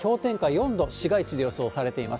４度、市街地で予想されています。